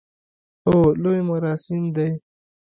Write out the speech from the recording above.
هو، لوی مراسم دی